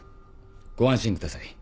ご安心ください。